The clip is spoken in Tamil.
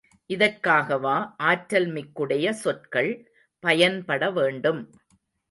இதற்காகவா ஆற்றல் மிக்குடைய சொற்கள் பயன்பட வேண்டும்.